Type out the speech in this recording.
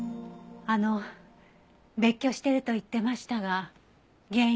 あの別居してると言ってましたが原因は？